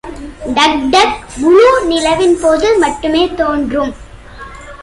டக்-டக் முழு நிலவின் போது மட்டுமே தோன்றும்.